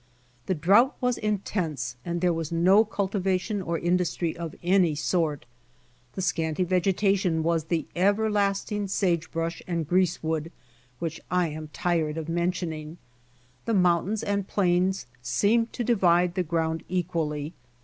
The drought was intense and there was no cultivation or industry of any sort. The scanty vegetation was the everlasting sage brush and grease wood Av^hich I am tired of men tioning. The mountains and plains semed to divide the ground equally.